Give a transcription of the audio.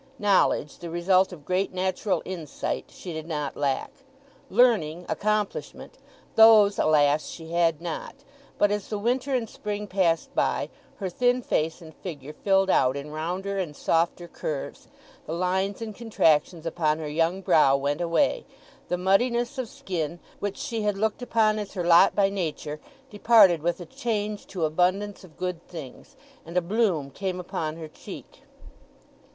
Knowledge—the result of great natural insight—she did not lack; learning, accomplishment—those, alas, she had not; but as the winter and spring passed by her thin face and figure filled out in rounder and softer curves; the lines and contractions upon her young brow went away; the muddiness of skin which she had looked upon as her lot by nature departed with a change to abundance of good things, and a bloom came upon her cheek.